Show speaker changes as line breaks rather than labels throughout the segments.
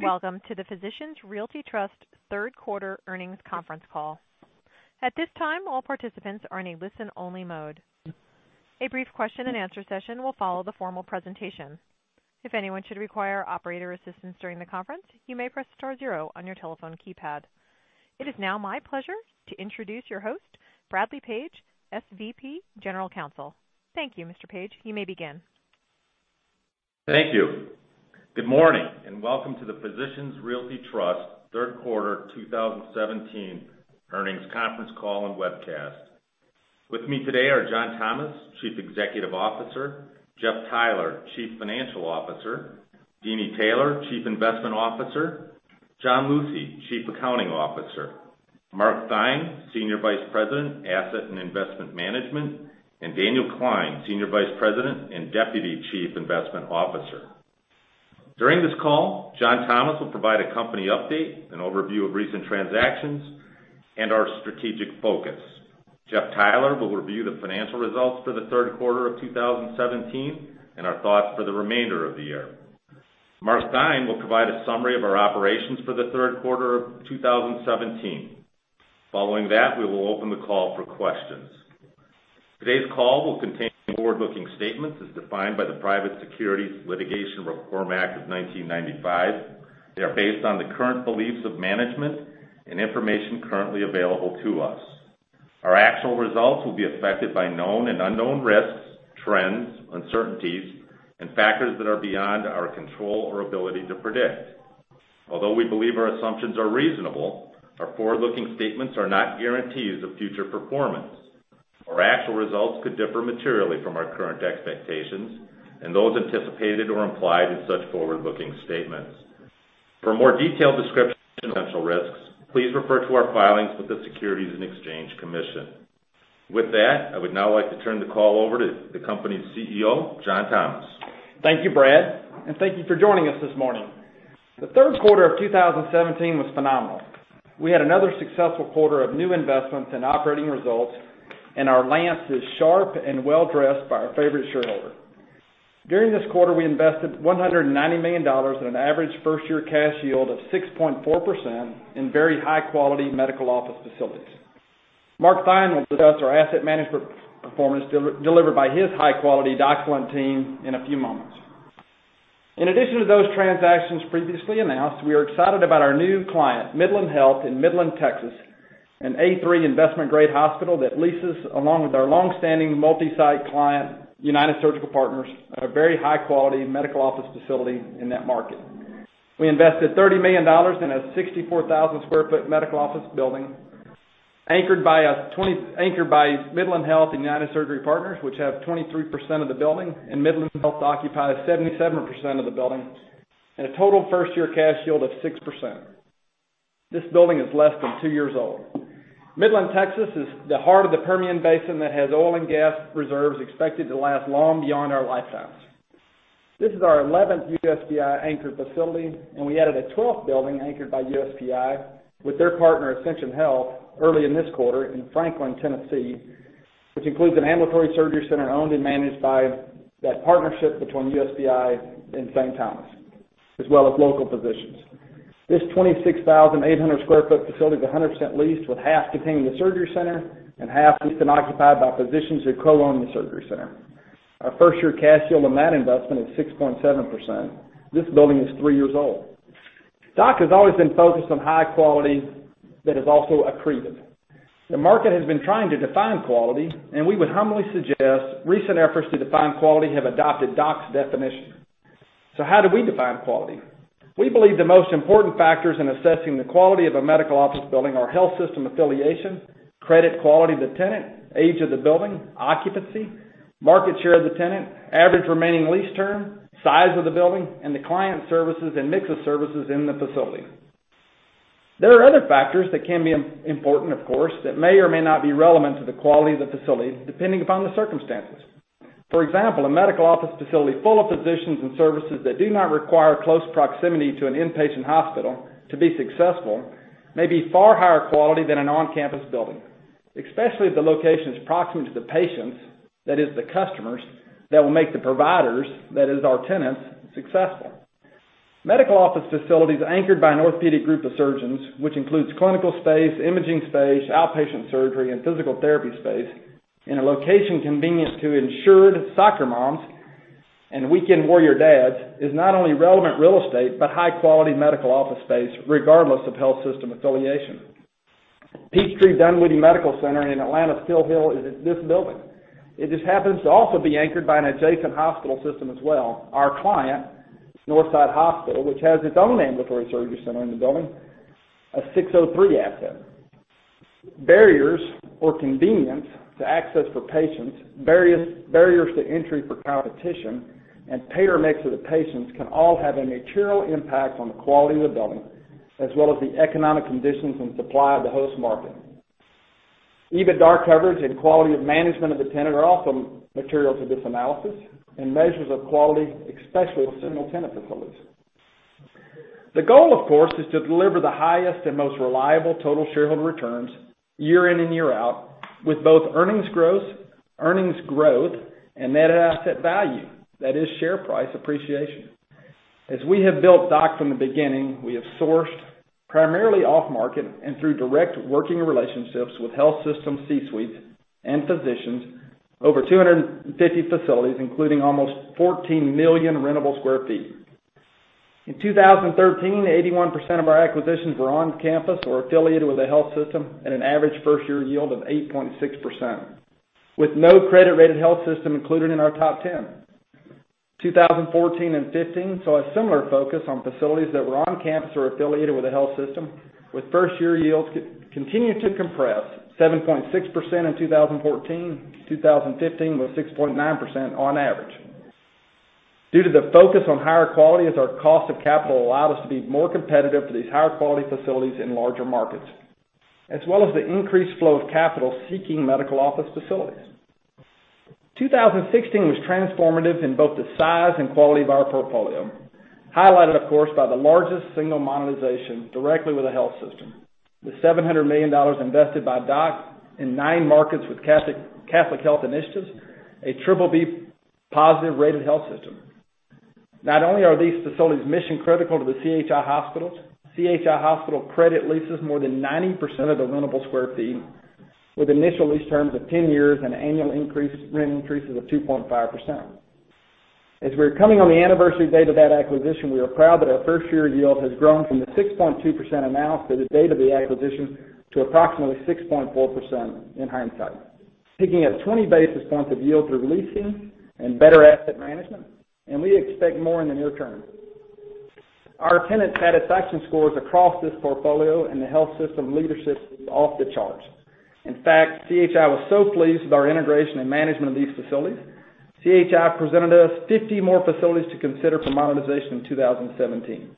Greetings and welcome to the Physicians Realty Trust third quarter earnings conference call. At this time, all participants are in a listen-only mode. A brief question and answer session will follow the formal presentation. If anyone should require operator assistance during the conference, you may press star zero on your telephone keypad. It is now my pleasure to introduce your host, Bradley Page, Senior Vice President, General Counsel. Thank you, Mr. Page. You may begin.
Thank you. Good morning and welcome to the Physicians Realty Trust third quarter 2017 earnings conference call and webcast. With me today are John Thomas, Chief Executive Officer, Jeff Theiler, Chief Financial Officer, Deeni Taylor, Chief Investment Officer, John Lucey, Chief Accounting Officer, Mark Theine, Senior Vice President, Asset and Investment Management, and Daniel Klein, Senior Vice President and Deputy Chief Investment Officer. During this call, John Thomas will provide a company update, an overview of recent transactions, and our strategic focus. Jeff Theiler will review the financial results for the third quarter of 2017 and our thoughts for the remainder of the year. Mark Theine will provide a summary of our operations for the third quarter of 2017. Following that, we will open the call for questions. Today's call will contain forward-looking statements as defined by the Private Securities Litigation Reform Act of 1995. They are based on the current beliefs of management and information currently available to us. Our actual results will be affected by known and unknown risks, trends, uncertainties, and factors that are beyond our control or ability to predict. Although we believe our assumptions are reasonable, our forward-looking statements are not guarantees of future performance. Our actual results could differ materially from our current expectations and those anticipated or implied in such forward-looking statements. For a more detailed description of potential risks, please refer to our filings with the Securities and Exchange Commission. I would now like to turn the call over to the company's CEO, John Thomas.
Thank you, Brad, and thank you for joining us this morning. The third quarter of 2017 was phenomenal. We had another successful quarter of new investments and operating results. Our lance is sharp and well-dressed by our favorite shareholder. During this quarter, we invested $190 million in an average first-year cash yield of 6.4% in very high-quality medical office facilities. Mark Theine will discuss our asset management performance delivered by his high-quality doc team in a few moments. In addition to those transactions previously announced, we are excited about our new client, Midland Health in Midland, Texas, an A3 investment-grade hospital that leases along with our long-standing multi-site client, United Surgical Partners, a very high-quality medical office facility in that market. We invested $30 million in a 64,000 sq ft medical office building anchored by Midland Health and United Surgical Partners, which have 23% of the building, and Midland Health occupies 77% of the building, and a total first-year cash yield of 6%. This building is less than two years old. Midland, Texas is the heart of the Permian Basin that has oil and gas reserves expected to last long beyond our lifetimes. This is our 11th USPI anchored facility, and we added a 12th building anchored by USPI with their partner Ascension early in this quarter in Franklin, Tennessee, which includes an ambulatory surgery center owned and managed by that partnership between USPI and Saint Thomas, as well as local physicians. This 26,800 sq ft facility is 100% leased, with half containing the surgery center and half leased and occupied by physicians who co-own the surgery center. Our first-year cash yield on that investment is 6.7%. This building is three years old. DOC has always been focused on high quality that is also accretive. The market has been trying to define quality, and we would humbly suggest recent efforts to define quality have adopted DOC's definition. How do we define quality? We believe the most important factors in assessing the quality of a medical office building are health system affiliation, credit quality of the tenant, age of the building, occupancy, market share of the tenant, average remaining lease term, size of the building, and the client services and mix of services in the facility. There are other factors that can be important, of course, that may or may not be relevant to the quality of the facility, depending upon the circumstances. For example, a medical office facility full of physicians and services that do not require close proximity to an inpatient hospital to be successful may be far higher quality than an on-campus building, especially if the location is proximate to the patients, that is the customers, that will make the providers, that is our tenants, successful. Medical office facilities anchored by an orthopedic group of surgeons, which includes clinical space, imaging space, outpatient surgery, and physical therapy space in a location convenient to insured soccer moms and weekend warrior dads is not only relevant real estate, but high-quality medical office space regardless of health system affiliation. Peachtree Dunwoody Medical Center in Atlanta, Pill Hill is this building. It just happens to also be anchored by an adjacent hospital system as well. Our client, Northside Hospital, which has its own ambulatory surgery center in the building, a 603 asset. Barriers or convenience to access for patients, barriers to entry for competition, and payer mix of the patients can all have a material impact on the quality of the building, as well as the economic conditions and supply of the host market. EBITDAR coverage and quality of management of the tenant are also material to this analysis and measures of quality, especially with single-tenant facilities. The goal, of course, is to deliver the highest and most reliable total shareholder returns year in and year out with both earnings growth and net asset value, that is share price appreciation. As we have built DOC from the beginning, we have sourced, primarily off-market and through direct working relationships with health system C-suites and physicians, over 250 facilities, including almost 14 million rentable sq ft. In 2013, 81% of our acquisitions were on-campus or affiliated with a health system at an average first-year yield of 8.6%, with no credit-rated health system included in our top 10. 2014 and 2015 saw a similar focus on facilities that were on-campus or affiliated with a health system, with first-year yields continuing to compress, 7.6% in 2014. 2015 was 6.9% on average. Due to the focus on higher quality as our cost of capital allowed us to be more competitive for these higher-quality facilities in larger markets, as well as the increased flow of capital seeking medical office facilities. 2016 was transformative in both the size and quality of our portfolio, highlighted of course by the largest single monetization directly with a health system, with $700 million invested by DOC in nine markets with Catholic Health Initiatives, a BBB positive rated health system. Not only are these facilities mission-critical to the CHI hospitals, CHI Hospital credit leases more than 90% of the rentable square feet, with initial lease terms of 10 years and annual rent increases of 2.5%. As we're coming on the anniversary date of that acquisition, we are proud that our first-year yield has grown from the 6.2% announced for the date of the acquisition to approximately 6.4% in hindsight, picking up 20 basis points of yield through leasing and better asset management, and we expect more in the near term. Our tenant satisfaction scores across this portfolio and the health system leadership is off the charts. In fact, CHI was so pleased with our integration and management of these facilities, CHI presented us 50 more facilities to consider for monetization in 2017.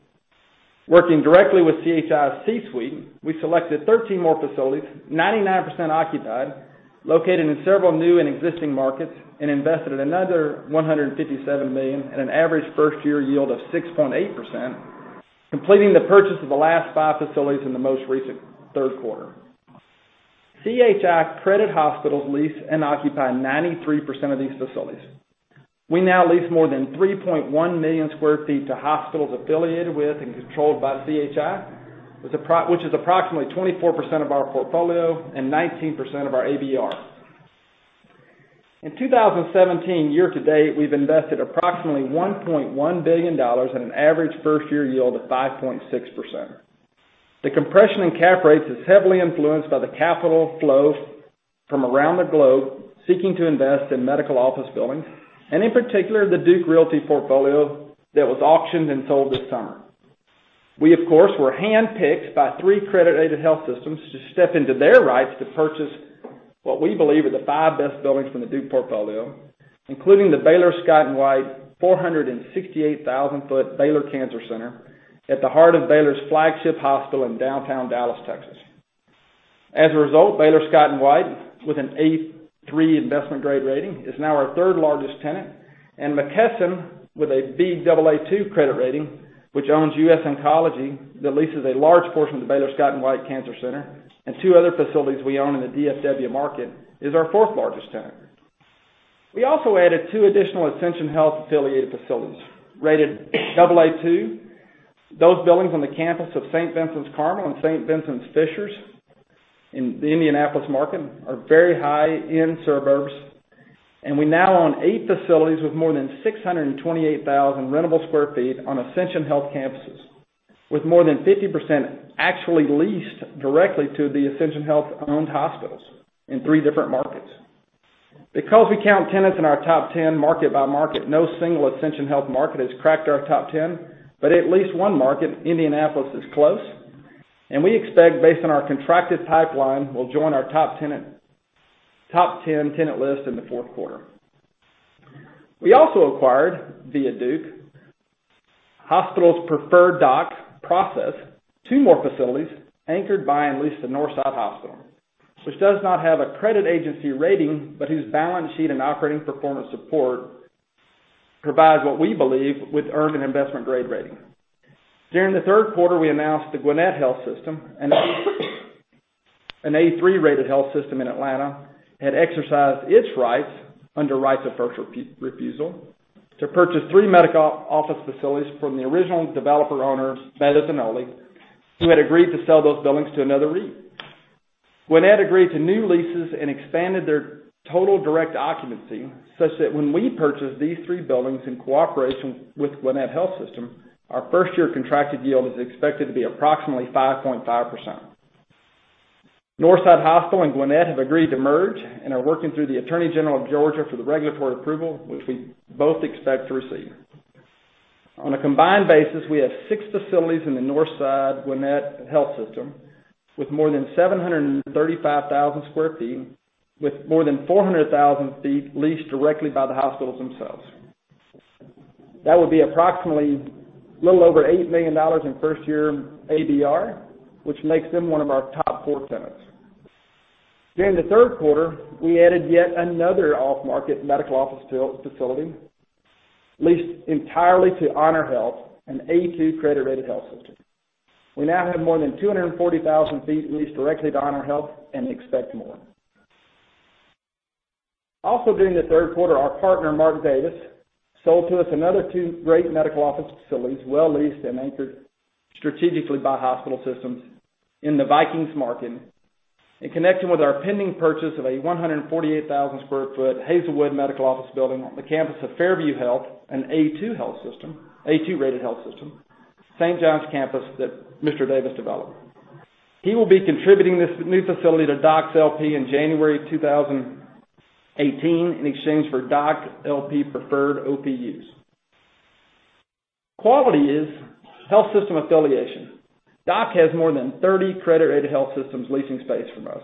Working directly with CHI C-suite, we selected 13 more facilities, 99% occupied, located in several new and existing markets, and invested another $157 million at an average first-year yield of 6.8%, completing the purchase of the last five facilities in the most recent third quarter. CHI credit hospitals lease and occupy 93% of these facilities. We now lease more than 3.1 million sq ft to hospitals affiliated with and controlled by CHI, which is approximately 24% of our portfolio and 19% of our ABR. In 2017, year-to-date, we've invested approximately $1.1 billion at an average first-year yield of 5.6%. The compression in cap rates is heavily influenced by the capital flow from around the globe seeking to invest in medical office buildings, and in particular, the Duke Realty portfolio that was auctioned and sold this summer. We, of course, were handpicked by three credit-rated health systems to step into their rights to purchase what we believe are the five best buildings from the Duke portfolio, including the Baylor Scott & White 468,000-foot Baylor Cancer Center at the heart of Baylor's flagship hospital in downtown Dallas, Texas. As a result, Baylor Scott & White, with an A3 investment grade rating, is now our third-largest tenant, and McKesson, with a Baa2 credit rating, which owns US Oncology, that leases a large portion of the Baylor Scott & White Cancer Center and two other facilities we own in the DFW market, is our fourth-largest tenant. We also added two additional Ascension-affiliated facilities, rated Aa2. Those buildings on the campus of St. Vincent Carmel and St. Vincent Fishers in the Indianapolis market are very high-end suburbs, and we now own eight facilities with more than 628,000 rentable sq ft on Ascension campuses, with more than 50% actually leased directly to the Ascension-owned hospitals in three different markets. Because we count tenants in our top 10 market by market, no single Ascension market has cracked our top 10, but at least one market, Indianapolis, is close, and we expect, based on our contracted pipeline, will join our top 10 tenant list in the fourth quarter. We also acquired, via Duke Realty's preferred DOC process, two more facilities anchored by and leased to Northside Hospital, which does not have a credit agency rating, but whose balance sheet and operating performance support provides what we believe would earn an investment grade rating. During the third quarter, we announced the Gwinnett Health System, an A3-rated health system in Atlanta, had exercised its rights under right of first refusal to purchase three medical office facilities from the original developer owners, Meadows & Ohly, who had agreed to sell those buildings to another REIT. Gwinnett agreed to new leases and expanded their total direct occupancy, such that when we purchased these three buildings in cooperation with Gwinnett Health System, our first-year contracted yield is expected to be approximately 5.5%. Northside Hospital and Gwinnett have agreed to merge and are working through the Attorney General of Georgia for the regulatory approval, which we both expect to receive. On a combined basis, we have six facilities in the Northside Gwinnett Health System with more than 735,000 sq ft, with more than 400,000 sq ft leased directly by the hospitals themselves. That would be approximately a little over $8 million in first-year ADR, which makes them one of our top four tenants. During the third quarter, we added yet another off-market medical office facility leased entirely to HonorHealth, an A2 credit-rated health system. We now have more than 240,000 sq ft leased directly to HonorHealth and expect more. Also during the third quarter, our partner, Mark Davis, sold to us another two great medical office facilities, well leased and anchored strategically by hospital systems in the Vikings market. In connection with our pending purchase of a 148,000 sq ft Hazelwood medical office building on the campus of Fairview Health, an A2-rated health system, St. John's campus that Mr. Davis developed. He will be contributing this new facility to DOC's L.P. in January 2018 in exchange for DOC L.P. preferred OP units. Quality is health system affiliation. DOC has more than 30 credit-rated health systems leasing space from us.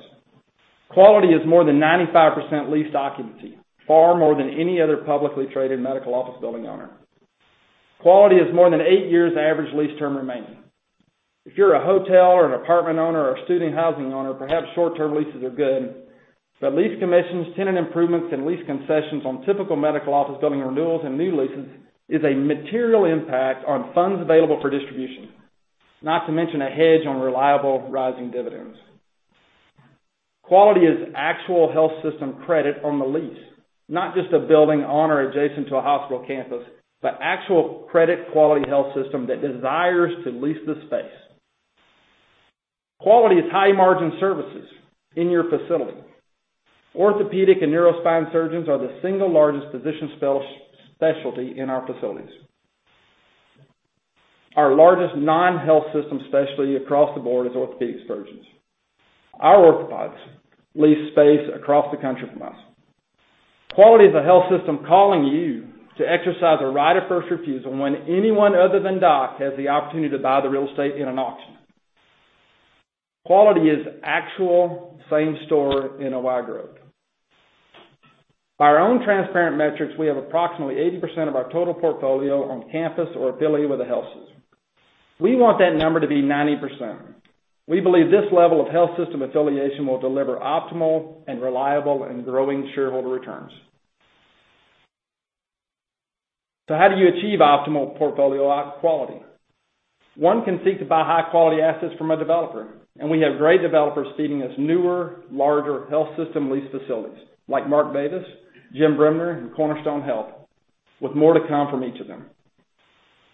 Quality is more than 95% leased occupancy, far more than any other publicly traded medical office building owner. Quality is more than eight years average lease term remaining. If you're a hotel or an apartment owner or a student housing owner, perhaps short-term leases are good, but lease commissions, tenant improvements, and lease concessions on typical medical office building renewals and new leases is a material impact on funds available for distribution, not to mention a hedge on reliable rising dividends. Quality is actual health system credit on the lease, not just a building on or adjacent to a hospital campus, but actual credit quality health system that desires to lease the space. Quality is high-margin services in your facility. Orthopedic and neuro spine surgeons are the single largest physician specialty in our facilities. Our largest non-health system specialty across the board is orthopedics surgeons. Our orthopedists lease space across the country from us. Quality is a health system calling you to exercise a right of first refusal when anyone other than DOC has the opportunity to buy the real estate in an auction. Quality is actual same-store NOI growth. By our own transparent metrics, we have approximately 80% of our total portfolio on campus or affiliated with a health system. We want that number to be 90%. We believe this level of health system affiliation will deliver optimal, and reliable, and growing shareholder returns. How do you achieve optimal portfolio quality? One can seek to buy high-quality assets from a developer, and we have great developers feeding us newer, larger health system leased facilities like Mark Davis, Jim Bremner, and Cornerstone Health, with more to come from each of them.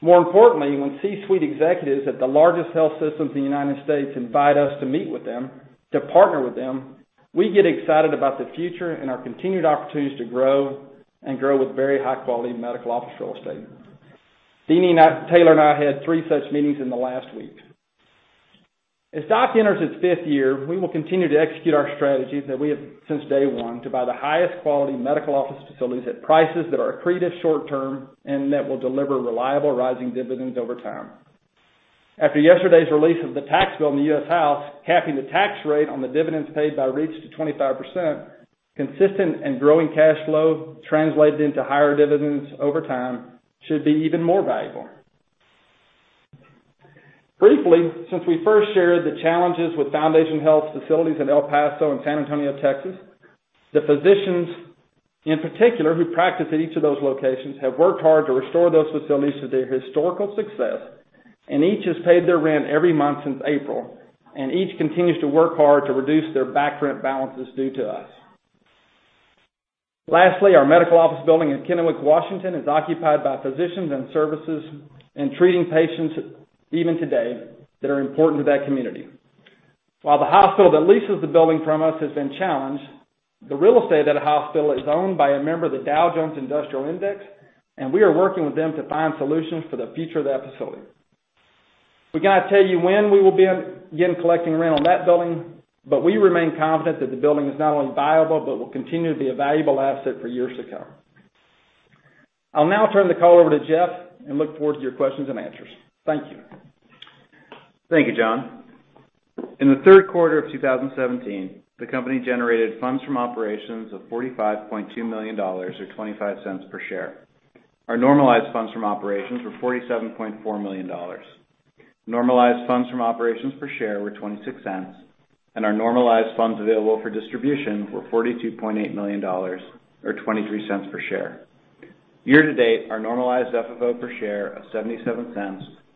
More importantly, when C-suite executives at the largest health systems in the U.S. invite us to meet with them, to partner with them, we get excited about the future and our continued opportunities to grow and grow with very high-quality medical office real estate. Deeni Taylor and I had three such meetings in the last week. As DOC enters its fifth year, we will continue to execute our strategies that we have since day one, to buy the highest quality medical office facilities at prices that are accretive short-term and that will deliver reliable rising dividends over time. After yesterday's release of the tax bill in the U.S. House, capping the tax rate on the dividends paid by REITs to 25%, consistent and growing cash flow translated into higher dividends over time should be even more valuable. Briefly, since we first shared the challenges with Foundation Healthcare's facilities in El Paso and San Antonio, Texas, the physicians in particular who practice at each of those locations have worked hard to restore those facilities to their historical success, and each has paid their rent every month since April, and each continues to work hard to reduce their back rent balances due to us. Lastly, our medical office building in Kennewick, Washington is occupied by physicians and services and treating patients even today that are important to that community. While the hospital that leases the building from us has been challenged, the real estate at a hospital is owned by a member of the Dow Jones Industrial Average, and we are working with them to find solutions for the future of that facility. We cannot tell you when we will begin collecting rent on that building, but we remain confident that the building is not only viable, but will continue to be a valuable asset for years to come. I'll now turn the call over to Jeff and look forward to your questions and answers. Thank you.
Thank you, John. In the third quarter of 2017, the company generated funds from operations of $45.2 million, or $0.25 per share. Our normalized funds from operations were $47.4 million. Normalized funds from operations per share were $0.26, and our normalized funds available for distribution were $42.8 million, or $0.23 per share. Year-to-date, our normalized FFO per share of $0.77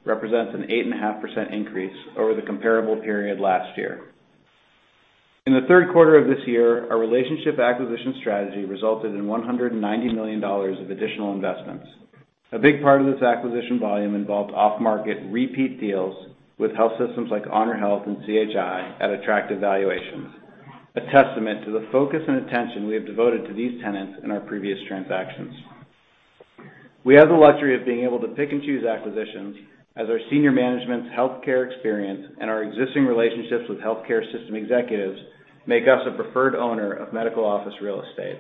represents an 8.5% increase over the comparable period last year. In the third quarter of this year, our relationship acquisition strategy resulted in $190 million of additional investments. A big part of this acquisition volume involved off-market repeat deals with health systems like HonorHealth and CHI at attractive valuations, a testament to the focus and attention we have devoted to these tenants in our previous transactions. We have the luxury of being able to pick and choose acquisitions, as our senior management's healthcare experience and our existing relationships with healthcare system executives make us a preferred owner of medical office real estate.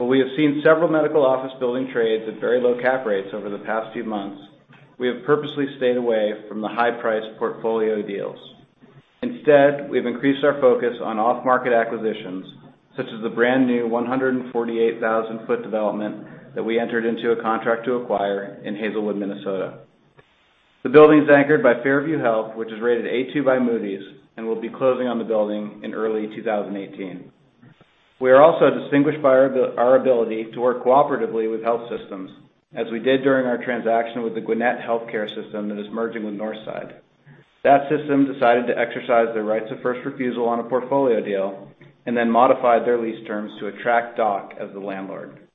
We have seen several medical office building trades at very low cap rates over the past few months. We have purposely stayed away from the high-priced portfolio deals. Instead, we've increased our focus on off-market acquisitions, such as the brand-new 148,000-foot development that we entered into a contract to acquire in Hazelwood, Minnesota. The building's anchored by Fairview Health, which is rated A2 by Moody's, and will be closing on the building in early 2018. We are also distinguished by our ability to work cooperatively with health systems, as we did during our transaction with the Gwinnett Health System that is merging with Northside. That system decided to exercise their rights of first refusal on a portfolio deal. They then modified their lease terms to attract DOC as the landlord.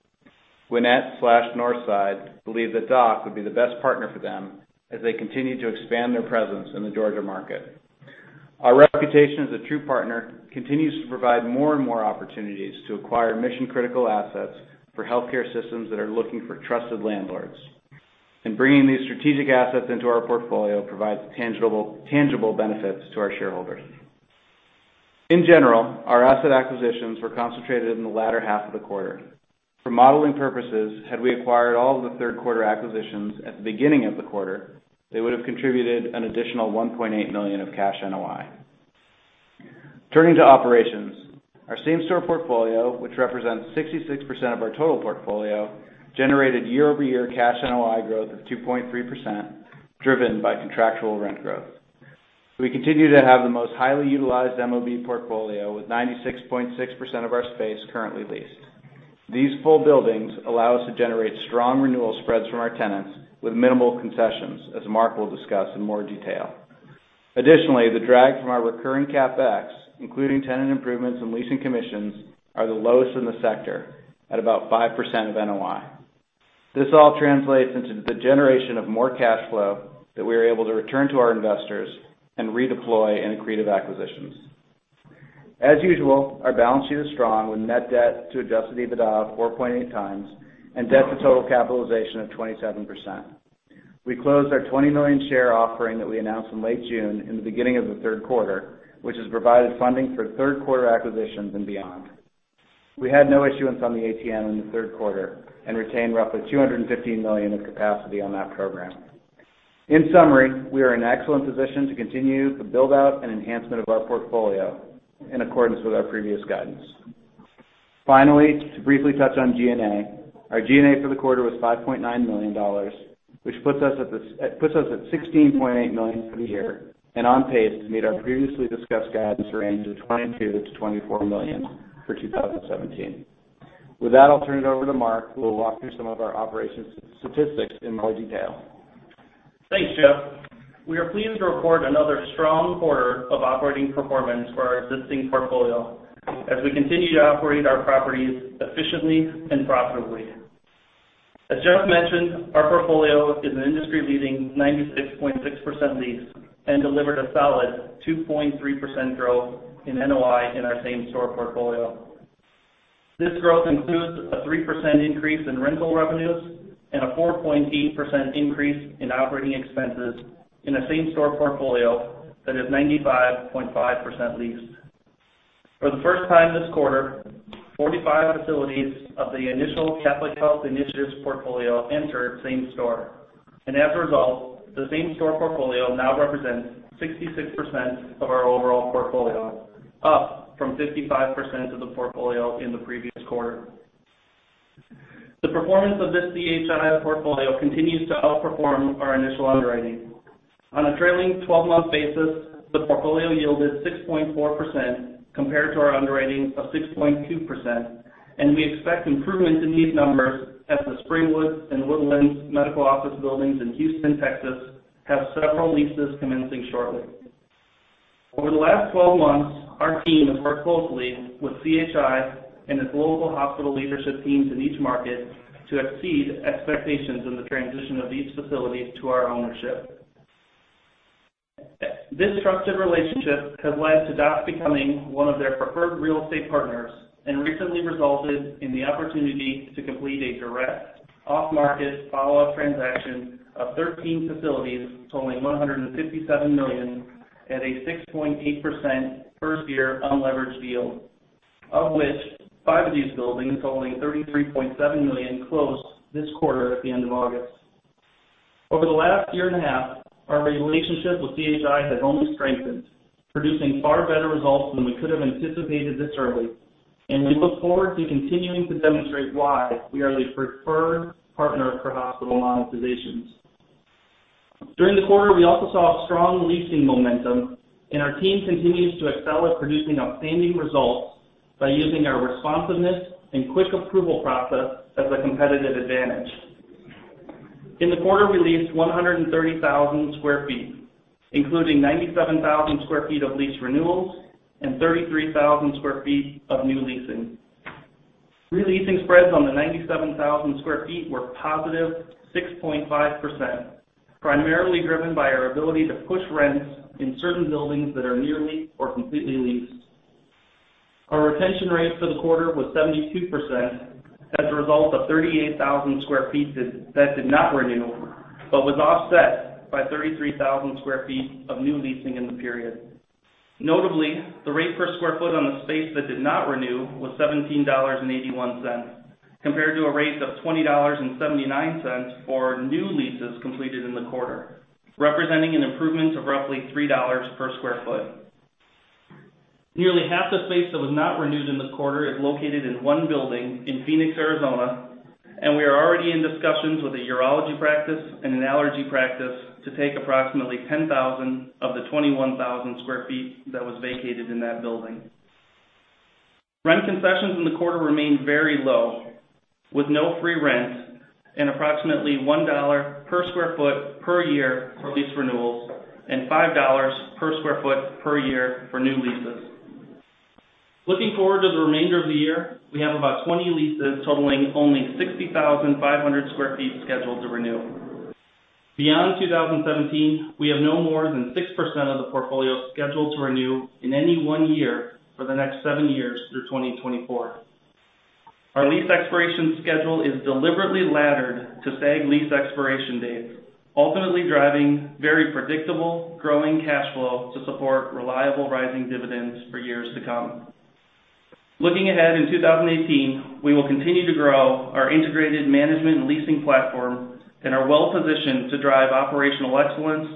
Gwinnett/Northside believed that DOC would be the best partner for them as they continue to expand their presence in the Georgia market. Our reputation as a true partner continues to provide more and more opportunities to acquire mission-critical assets for healthcare systems that are looking for trusted landlords. Bringing these strategic assets into our portfolio provides tangible benefits to our shareholders. In general, our asset acquisitions were concentrated in the latter half of the quarter. For modeling purposes, had we acquired all of the third quarter acquisitions at the beginning of the quarter, they would've contributed an additional $1.8 million of cash NOI. Turning to operations. Our same-store portfolio, which represents 66% of our total portfolio, generated year-over-year cash NOI growth of 2.3%, driven by contractual rent growth. We continue to have the most highly utilized MOB portfolio, with 96.6% of our space currently leased. These full buildings allow us to generate strong renewal spreads from our tenants, with minimal concessions, as Mark will discuss in more detail. Additionally, the drag from our recurring CapEx, including tenant improvements and leasing commissions, are the lowest in the sector at about 5% of NOI. This all translates into the generation of more cash flow that we are able to return to our investors and redeploy in accretive acquisitions. As usual, our balance sheet is strong with net debt to adjusted EBITDA of 4.8x and debt to total capitalization of 27%. We closed our 20 million share offering that we announced in late June in the beginning of the third quarter, which has provided funding for third quarter acquisitions and beyond. We had no issuance on the ATM in the third quarter and retained roughly $215 million of capacity on that program. In summary, we are in excellent position to continue the build-out and enhancement of our portfolio in accordance with our previous guidance. Finally, to briefly touch on G&A. Our G&A for the quarter was $5.9 million, which puts us at $16.8 million for the year and on pace to meet our previously discussed guidance range of $22 million-$24 million for 2017. With that, I'll turn it over to Mark, who will walk through some of our operations statistics in more detail.
Thanks, Jeff. We are pleased to report another strong quarter of operating performance for our existing portfolio as we continue to operate our properties efficiently and profitably. As Jeff mentioned, our portfolio is an industry-leading 96.6% leased and delivered a solid 2.3% growth in NOI in our same store portfolio. This growth includes a 3% increase in rental revenues and a 4.8% increase in operating expenses in a same store portfolio that is 95.5% leased. For the first time this quarter, 45 facilities of the initial Catholic Health Initiatives portfolio entered same store. As a result, the same store portfolio now represents 66% of our overall portfolio, up from 55% of the portfolio in the previous quarter. The performance of this CHI portfolio continues to outperform our initial underwriting. On a trailing 12-month basis, the portfolio yielded 6.4%, compared to our underwriting of 6.2%. We expect improvements in these numbers as the Springwoods and Woodlands medical office buildings in Houston, Texas, have several leases commencing shortly. Over the last 12 months, our team has worked closely with CHI and its local hospital leadership teams in each market to exceed expectations in the transition of each facility to our ownership. This trusted relationship has led to DOC becoming one of their preferred real estate partners and recently resulted in the opportunity to complete a direct off-market follow-up transaction of 13 facilities totaling $157 million at a 6.8% first year unleveraged yield, of which five of these buildings totaling $33.7 million closed this quarter at the end of August. Over the last year and a half, our relationship with CHI has only strengthened, producing far better results than we could have anticipated this early. We look forward to continuing to demonstrate why we are the preferred partner for hospital monetizations. During the quarter, we also saw strong leasing momentum. Our team continues to excel at producing outstanding results by using our responsiveness and quick approval process as a competitive advantage. In the quarter, we leased 130,000 sq ft, including 97,000 sq ft of lease renewals and 33,000 sq ft of new leasing. Re-leasing spreads on the 97,000 sq ft were positive 6.5%, primarily driven by our ability to push rents in certain buildings that are nearly or completely leased. Our retention rate for the quarter was 72%, as a result of 38,000 square feet that did not renew, but was offset by 33,000 square feet of new leasing in the period. Notably, the rate per square foot on the space that did not renew was $17.81, compared to a rate of $20.79 for new leases completed in the quarter, representing an improvement of roughly $3 per square foot. Nearly half the space that was not renewed in this quarter is located in one building in Phoenix, Arizona, and we are already in discussions with a urology practice and an allergy practice to take approximately 10,000 of the 21,000 square feet that was vacated in that building. Rent concessions in the quarter remained very low, with no free rent and approximately $1 per square foot per year for lease renewals, and $5 per square foot per year for new leases. Looking forward to the remainder of the year, we have about 20 leases totaling only 60,500 square feet scheduled to renew. Beyond 2017, we have no more than 6% of the portfolio scheduled to renew in any one year for the next seven years through 2024. Our lease expiration schedule is deliberately laddered to stagger lease expiration dates, ultimately driving very predictable growing cash flow to support reliable rising dividends for years to come. Looking ahead in 2018, we will continue to grow our integrated management and leasing platform and are well-positioned to drive operational excellence,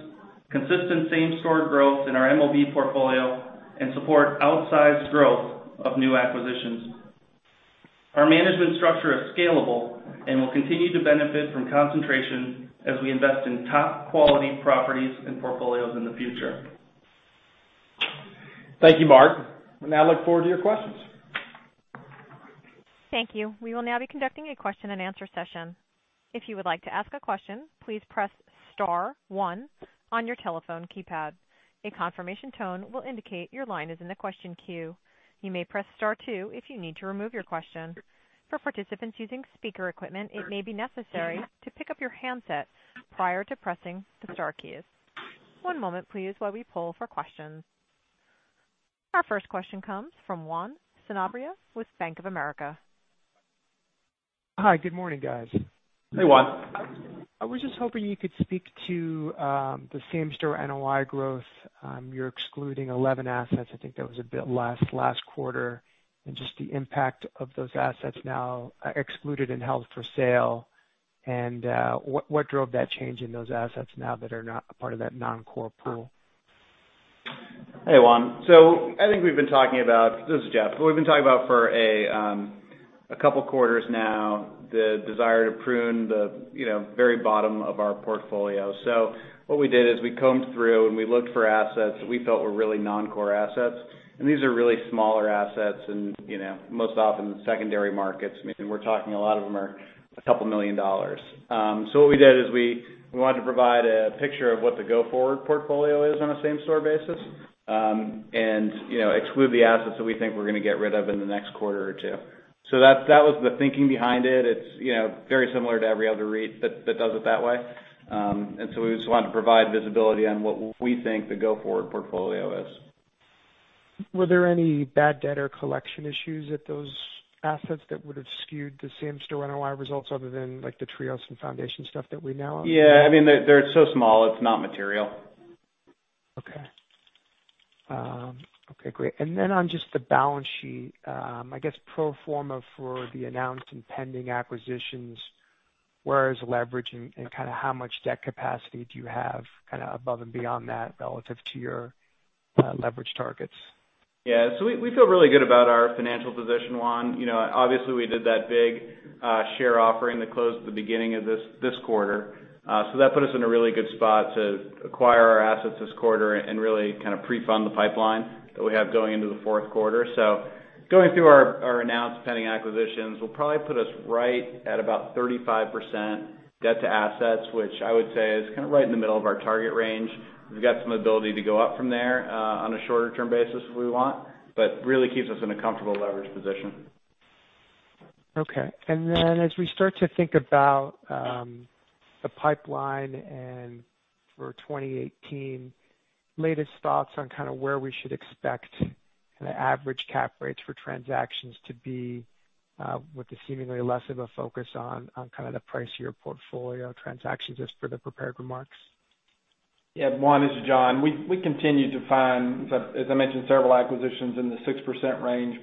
consistent same-store growth in our MOB portfolio, and support outsized growth of new acquisitions. Our management structure is scalable and will continue to benefit from concentration as we invest in top-quality properties and portfolios in the future.
Thank you, Mark. We now look forward to your questions.
Thank you. We will now be conducting a question and answer session. If you would like to ask a question, please press star one on your telephone keypad. A confirmation tone will indicate your line is in the question queue. You may press star two if you need to remove your question. For participants using speaker equipment, it may be necessary to pick up your handset prior to pressing the star keys. One moment, please, while we pull for questions. Our first question comes from Juan Sanabria with Bank of America.
Hi. Good morning, guys.
Hey, Juan.
I was just hoping you could speak to the same-store NOI growth. You're excluding 11 assets, I think that was a bit last quarter, and just the impact of those assets now excluded and held for sale. What drove that change in those assets now that are not a part of that non-core pool?
Hey, Juan. This is Jeff. We've been talking about, for a couple of quarters now, the desire to prune the very bottom of our portfolio. What we did is we combed through and we looked for assets that we felt were really non-core assets. These are really smaller assets and most often secondary markets. We're talking a lot of them are a couple million dollars. What we did is we wanted to provide a picture of what the go-forward portfolio is on a same-store basis, and exclude the assets that we think we're going to get rid of in the next quarter or two. That was the thinking behind it. It's very similar to every other REIT that does it that way. We just wanted to provide visibility on what we think the go-forward portfolio is.
Were there any bad debt or collection issues at those assets that would've skewed the same-store NOI results other than the Trios and Foundation stuff that we know of?
Yeah. They're so small, it's not material.
Okay. Great. On just the balance sheet, I guess pro forma for the announced and pending acquisitions, where is leverage and kind of how much debt capacity do you have above and beyond that relative to your leverage targets?
Yeah. We feel really good about our financial position, Juan. Obviously, we did that big share offering that closed at the beginning of this quarter. That put us in a really good spot to acquire our assets this quarter and really kind of pre-fund the pipeline that we have going into the fourth quarter. Going through our announced pending acquisitions will probably put us right at about 35% debt to assets, which I would say is kind of right in the middle of our target range. We've got some ability to go up from there, on a shorter-term basis if we want, but really keeps us in a comfortable leverage position.
Okay. As we start to think about the pipeline for 2018, latest thoughts on kind of where we should expect the average cap rates for transactions to be with the seemingly less of a focus on kind of the pricier portfolio transactions, just for the prepared remarks.
Yeah. Juan, this is John. We continue to find, as I mentioned, several acquisitions in the 6% range.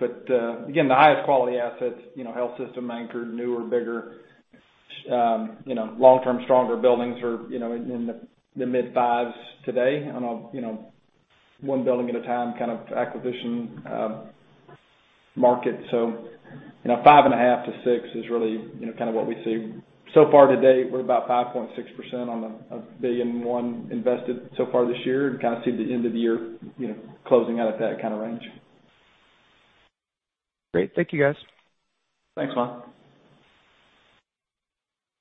Again, the highest quality assets, health system-anchored, newer, bigger, long-term, stronger buildings are in the mid-fives today on a one-building-at-a-time kind of acquisition market. Five and a half to six is really kind of what we see. So far to date, we're about 5.6% on the $1.1 billion invested so far this year, and kind of see the end of the year closing out at that kind of range.
Great. Thank you, guys.
Thanks, Juan.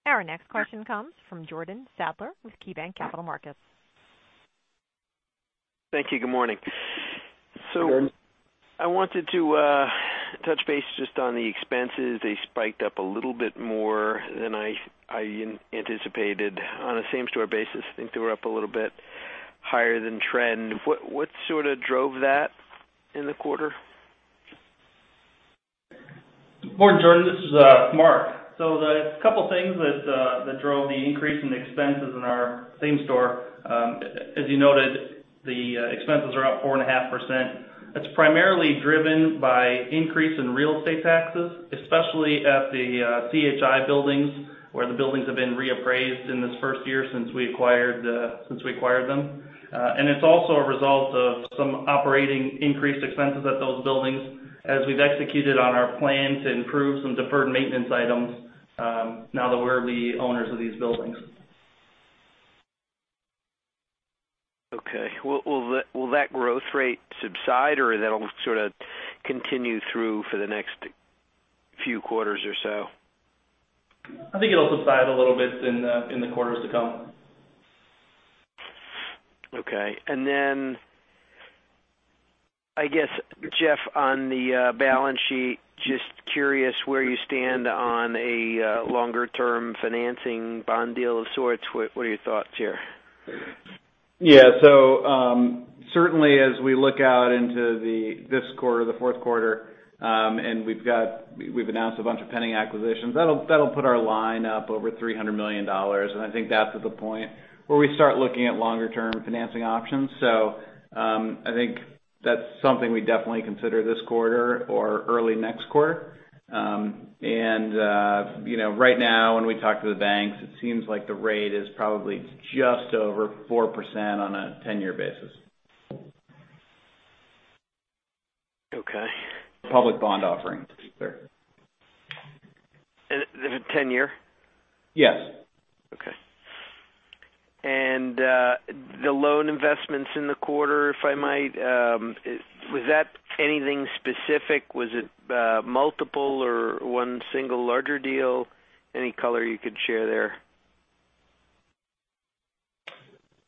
Our next question comes from Jordan Sadler with KeyBanc Capital Markets.
Thank you. Good morning.
Good morning.
I wanted to touch base just on the expenses. They spiked up a little bit more than I anticipated. On a same-store basis, I think they were up a little bit higher than trend. What sort of drove that in the quarter?
Morning, Jordan. This is Mark. The couple of things that drove the increase in the expenses in our same store. As you noted, the expenses are up 4.5%. That's primarily driven by increase in real estate taxes, especially at the CHI buildings, where the buildings have been reappraised in this first year since we acquired them It's also a result of some operating increased expenses at those buildings as we've executed on our plan to improve some deferred maintenance items, now that we're the owners of these buildings.
Okay. Will that growth rate subside, or that'll sort of continue through for the next few quarters or so?
I think it'll subside a little bit in the quarters to come.
Okay. Then, I guess, Jeff, on the balance sheet, just curious where you stand on a longer-term financing bond deal of sorts. What are your thoughts here?
Yeah. Certainly, as we look out into this quarter, the fourth quarter, we've announced a bunch of pending acquisitions, that'll put our line up over $300 million. I think that's at the point where we start looking at longer-term financing options. I think that's something we definitely consider this quarter or early next quarter. Right now, when we talk to the banks, it seems like the rate is probably just over 4% on a 10-year basis.
Okay.
Public bond offering.
Is it 10 year?
Yes.
Okay. The loan investments in the quarter, if I might, was that anything specific? Was it multiple or one single larger deal? Any color you could share there?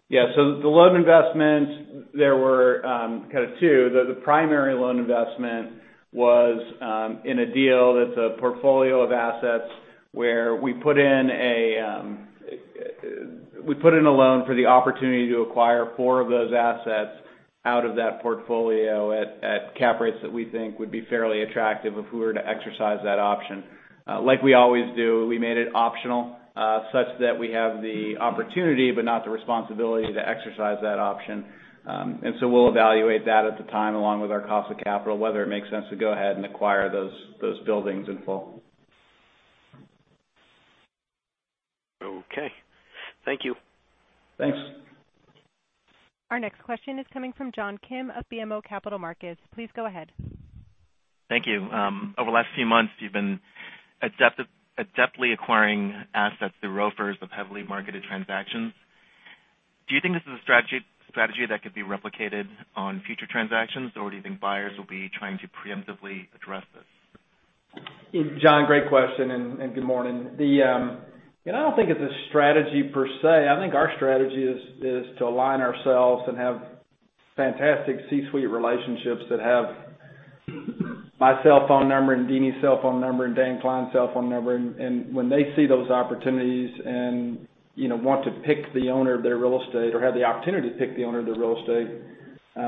The loan investments, there were kind of two. The primary loan investment was in a deal that's a portfolio of assets where we put in a loan for the opportunity to acquire four of those assets out of that portfolio at cap rates that we think would be fairly attractive if we were to exercise that option. Like we always do, we made it optional, such that we have the opportunity but not the responsibility to exercise that option. We'll evaluate that at the time, along with our cost of capital, whether it makes sense to go ahead and acquire those buildings in full.
Okay. Thank you.
Thanks.
Our next question is coming from John Kim of BMO Capital Markets. Please go ahead.
Thank you. Over the last few months, you've been adeptly acquiring assets through ROFRs of heavily marketed transactions. Do you think this is a strategy that could be replicated on future transactions, or do you think buyers will be trying to preemptively address this?
John, great question, good morning. I don't think it's a strategy per se. I think our strategy is to align ourselves and have fantastic C-suite relationships that have my cell phone number and Deeni's cell phone number and Dan Klein's cell phone number. When they see those opportunities and want to pick the owner of their real estate or have the opportunity to pick the owner of their real estate,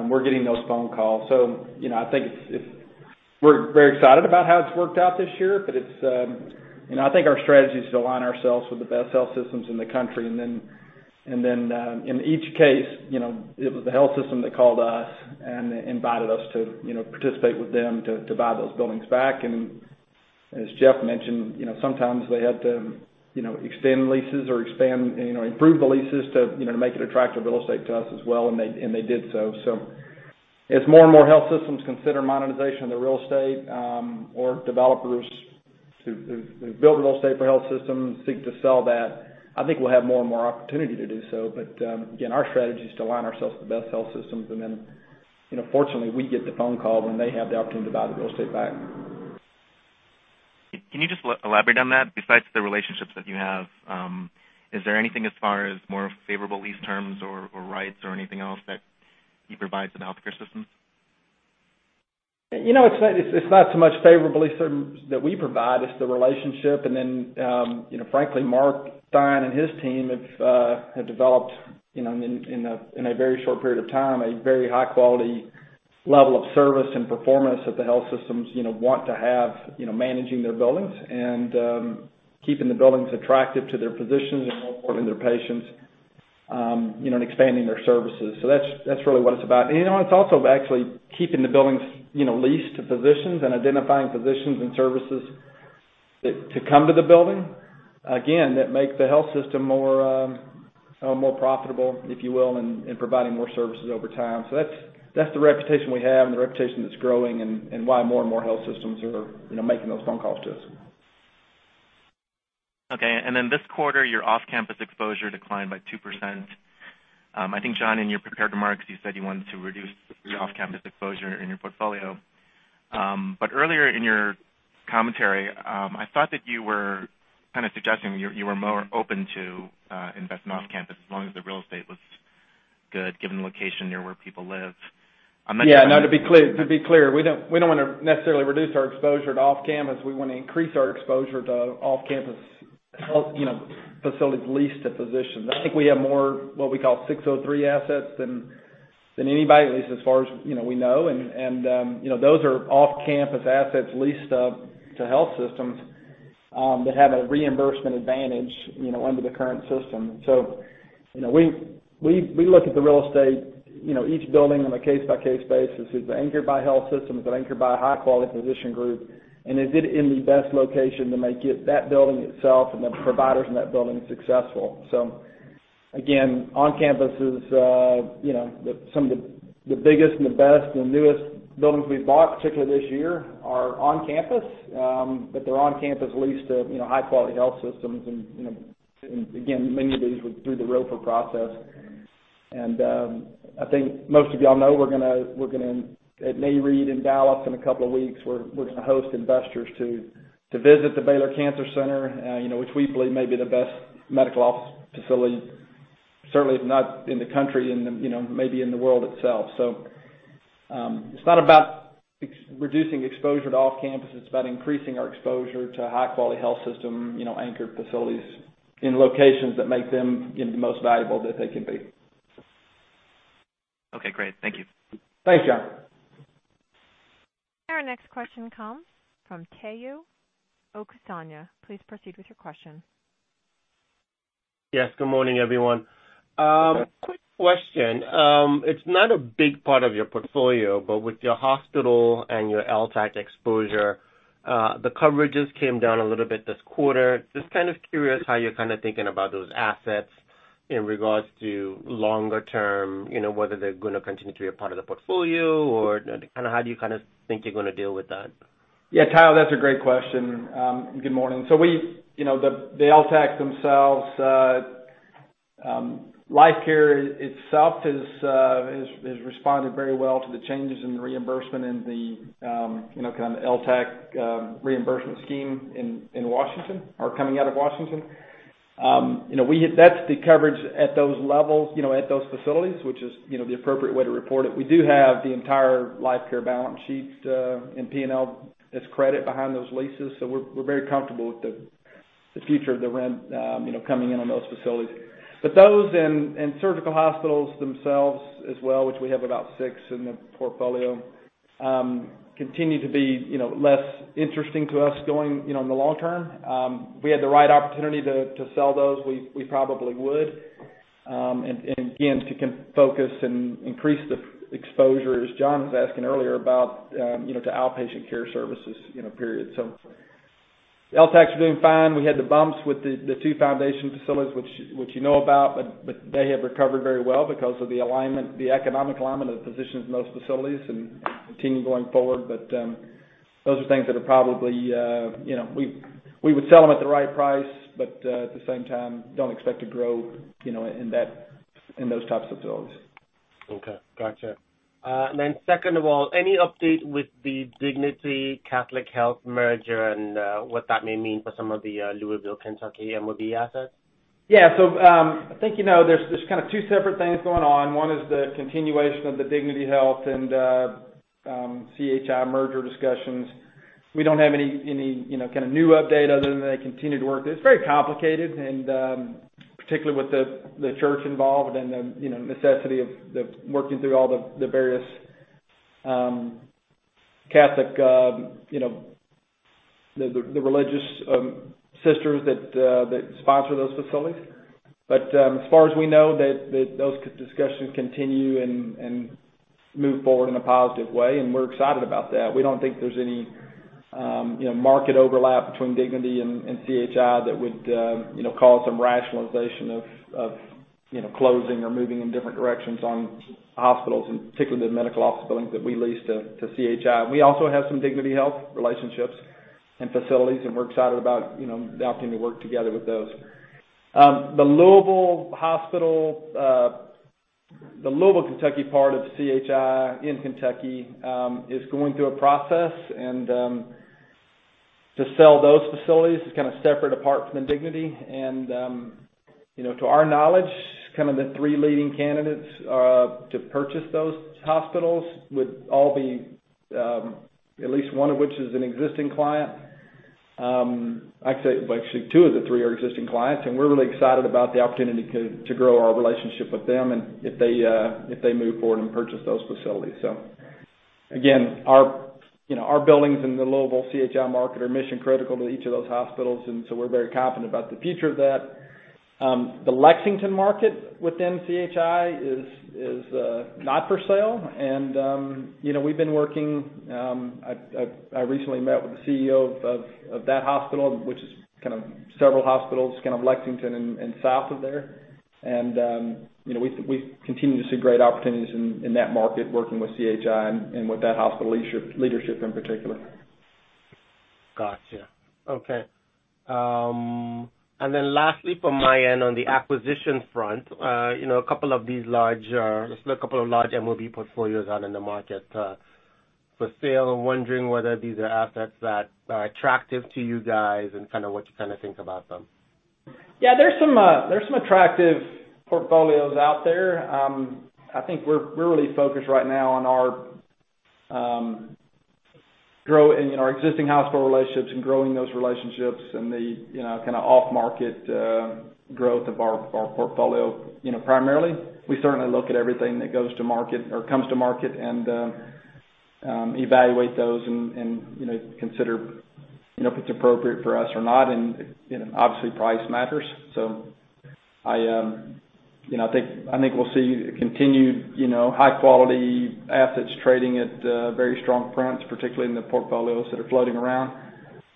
we're getting those phone calls. I think we're very excited about how it's worked out this year, but I think our strategy is to align ourselves with the best health systems in the country. Then, in each case, it was the health system that called us and invited us to participate with them to buy those buildings back. As Jeff mentioned, sometimes they had to extend leases or improve the leases to make it attractive real estate to us as well, and they did so. As more and more health systems consider monetization of their real estate, or developers who build real estate for health systems seek to sell that, I think we'll have more and more opportunity to do so. Again, our strategy is to align ourselves with the best health systems, then, fortunately, we get the phone call when they have the opportunity to buy the real estate back.
Can you just elaborate on that? Besides the relationships that you have, is there anything as far as more favorable lease terms or rights or anything else that you provide to the healthcare system?
It's not so much favorable lease terms that we provide, it's the relationship. Then, frankly, Mark Theine and his team have developed, in a very short period of time, a very high-quality level of service and performance that the health systems want to have managing their buildings and keeping the buildings attractive to their physicians and more importantly, their patients, and expanding their services. That's really what it's about. It's also actually keeping the buildings leased to physicians and identifying physicians and services to come to the building, again, that make the health system more profitable, if you will, and providing more services over time. That's the reputation we have and the reputation that's growing and why more and more health systems are making those phone calls to us.
Okay. Then this quarter, your off-campus exposure declined by 2%. I think, John, in your prepared remarks, you said you wanted to reduce your off-campus exposure in your portfolio. Earlier in your commentary, I thought that you were kind of suggesting you were more open to investing off campus as long as the real estate was good, given the location near where people live.
Yeah. No, to be clear, we don't want to necessarily reduce our exposure to off-campus. We want to increase our exposure to off-campus facilities leased to physicians. I think we have more, what we call Section 603 assets than anybody, at least as far as we know. Those are off-campus assets leased to health systems, that have a reimbursement advantage under the current system. We look at the real estate, each building on a case-by-case basis. Is it anchored by health systems? Is it anchored by a high-quality physician group? Is it in the best location that might get that building itself and the providers in that building successful? Again, on-campus is some of the biggest and the best and newest buildings we've bought, particularly this year, are on-campus. They're on-campus leased to high-quality health systems and, again, many of these were through the ROFR process. I think most of you all know, at NAREIT in Dallas in a couple of weeks, we're going to host investors to visit the Baylor Cancer Center, which we believe may be the best medical office facility, certainly if not in the country, maybe in the world itself. It's not about reducing exposure to off-campus, it's about increasing our exposure to high-quality health system, anchored facilities in locations that make them the most valuable that they can be.
Okay, great. Thank you.
Thanks, John.
Our next question comes from Omotayo Okusanya. Please proceed with your question.
Yes, good morning, everyone. Quick question. It's not a big part of your portfolio, but with your hospital and your LTAC exposure, the coverages came down a little bit this quarter. Just kind of curious how you're thinking about those assets in regards to longer term, whether they're going to continue to be a part of the portfolio, or how do you think you're going to deal with that?
Yeah, Tayo, that's a great question. Good morning. The LTACs themselves, Life Care itself has responded very well to the changes in the reimbursement and the kind of LTAC reimbursement scheme in Washington or coming out of Washington. That's the coverage at those levels, at those facilities, which is the appropriate way to report it. We do have the entire Life Care balance sheet in P&L as credit behind those leases, so we're very comfortable with the future of the rent, coming in on those facilities. Those and surgical hospitals themselves as well, which we have about six in the portfolio, continue to be less interesting to us going in the long term. If we had the right opportunity to sell those, we probably would. Again, to focus and increase the exposure, as John was asking earlier about, to outpatient care services period. LTAC's doing fine. We had the bumps with the two Foundation facilities, which you know about, but they have recovered very well because of the alignment, the economic alignment of the physicians in those facilities and continue going forward. Those are things that are probably we would sell them at the right price, but, at the same time, don't expect to grow in those types of buildings.
Okay, got you. Second of all, any update with the Dignity Catholic Health merger and what that may mean for some of the Louisville, Kentucky MOB assets?
Yeah. I think there's kind of two separate things going on. One is the continuation of the Dignity Health and CHI merger discussions. We don't have any kind of new update other than they continue to work. It's very complicated and, particularly with the church involved and the necessity of working through all the various Catholic religious sisters that sponsor those facilities. As far as we know, those discussions continue and move forward in a positive way, and we're excited about that. We don't think there's any market overlap between Dignity and CHI that would cause some rationalization of closing or moving in different directions on hospitals, and particularly the medical office buildings that we lease to CHI. We also have some Dignity Health relationships and facilities, and we're excited about the opportunity to work together with those. The Louisville Hospital, the Louisville, Kentucky part of CHI in Kentucky, is going through a process and to sell those facilities is kind of separate apart from the Dignity. To our knowledge, kind of the three leading candidates to purchase those hospitals would all be, at least one of which is an existing client. I'd say actually two of the three are existing clients, and we're really excited about the opportunity to grow our relationship with them and if they move forward and purchase those facilities. Again, our buildings in the Louisville CHI market are mission-critical to each of those hospitals, and so we're very confident about the future of that. The Lexington market within CHI is not for sale. We've been working I recently met with the CEO of that hospital, which is kind of several hospitals, kind of Lexington and south of there. We continue to see great opportunities in that market working with CHI and with that hospital leadership in particular.
Got you. Okay. Lastly from my end on the acquisition front, a couple of large MOB portfolios out in the market for sale. I'm wondering whether these are assets that are attractive to you guys and kind of what you think about them.
Yeah, there's some attractive portfolios out there. I think we're really focused right now on our existing hospital relationships and growing those relationships and the off-market growth of our portfolio. Primarily, we certainly look at everything that goes to market or comes to market and evaluate those and consider if it's appropriate for us or not. Obviously price matters. I think we'll see continued high-quality assets trading at very strong rents, particularly in the portfolios that are floating around.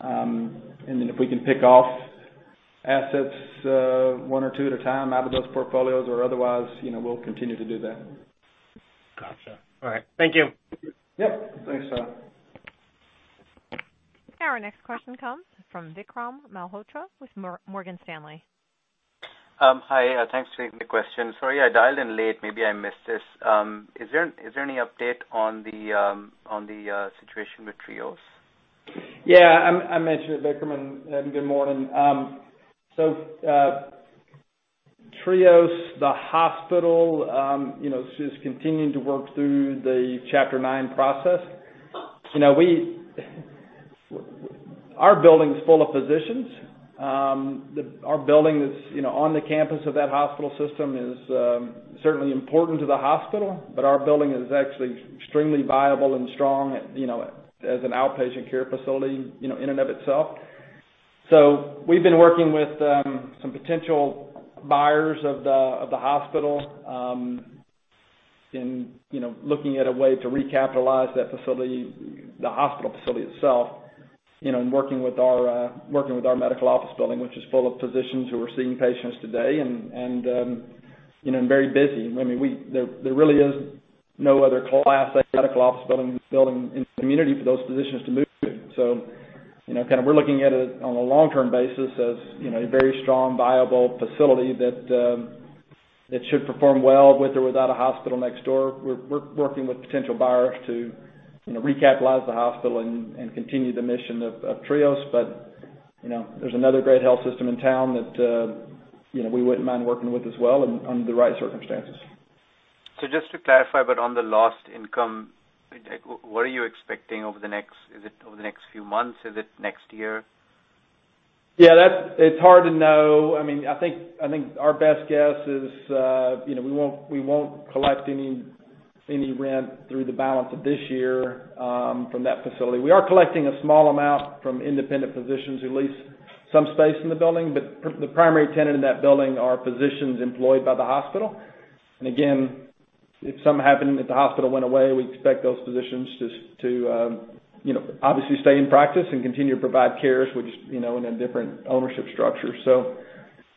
If we can pick off assets one or two at a time out of those portfolios or otherwise, we'll continue to do that.
Got you. All right. Thank you.
Yep. Thanks, Tayo.
Our next question comes from Vikram Malhotra with Morgan Stanley.
Hi. Thanks for taking the question. Sorry, I dialed in late. Maybe I missed this. Is there any update on the situation with Trios?
Yeah. I mentioned it, Vikram, and good morning. Trios, the hospital, is continuing to work through the Chapter 9 process. Our building's full of physicians. Our building that's on the campus of that hospital system is certainly important to the hospital, but our building is actually extremely viable and strong, as an outpatient care facility, in and of itself. We've been working with some potential buyers of the hospital, in looking at a way to recapitalize the hospital facility itself, and working with our medical office building, which is full of physicians who are seeing patients today and very busy. There really is no other Class A medical office building in the community for those physicians to move to. We're looking at it on a long-term basis as a very strong, viable facility that should perform well with or without a hospital next door. We're working with potential buyers to recapitalize the hospital and continue the mission of Trios, there's another great health system in town that we wouldn't mind working with as well under the right circumstances.
Just to clarify, but on the lost income, what are you expecting over the next? Is it over the next few months? Is it next year?
It's hard to know. I think our best guess is, we won't collect any rent through the balance of this year from that facility. We are collecting a small amount from independent physicians who lease some space in the building, but the primary tenant in that building are physicians employed by the hospital. Again, if something happened, if the hospital went away, we'd expect those physicians just to obviously stay in practice and continue to provide care, in a different ownership structure.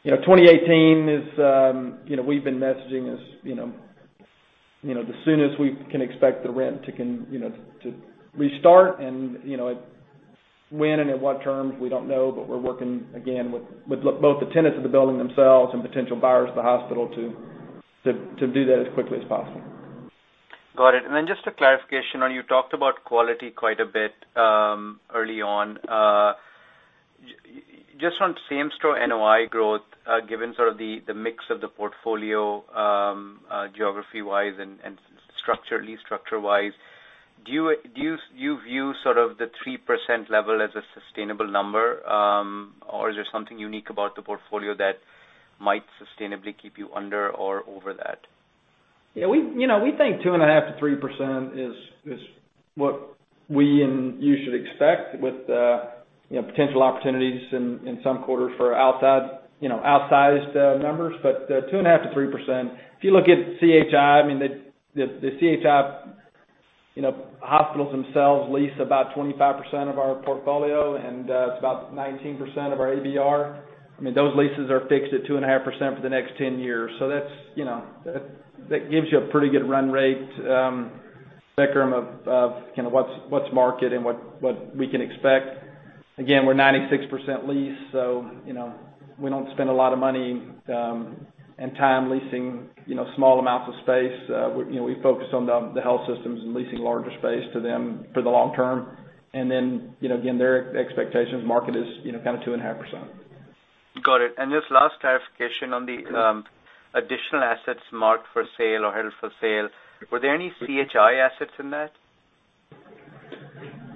2018, we've been messaging as the soon as we can expect the rent to restart and when and at what terms, we don't know, but we're working again with both the tenants of the building themselves and potential buyers of the hospital to do that as quickly as possible.
Got it. Just a clarification on, you talked about quality quite a bit early on. Just on same-store NOI growth, given sort of the mix of the portfolio, geography-wise and structure, lease structure-wise, do you view sort of the 3% level as a sustainable number? Or is there something unique about the portfolio that might sustainably keep you under or over that?
Yeah. We think 2.5%-3% is what we and you should expect with potential opportunities in some quarters for outsized numbers. 2.5%-3%, if you look at CHI, the CHI hospitals themselves lease about 25% of our portfolio, and it's about 19% of our ABR. Those leases are fixed at 2.5% for the next 10 years. That gives you a pretty good run rate, Vikram, of what's market and what we can expect. Again, we're 96% leased, so we don't spend a lot of money and time leasing small amounts of space. We focus on the health systems and leasing larger space to them for the long term. Again, their expectations market is kind of 2.5%.
Got it. Just last clarification on the additional assets marked for sale or held for sale. Were there any CHI assets in that?